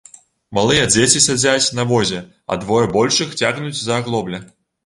Малыя дзеці сядзяць на возе, а двое большых цягнуць за аглоблі.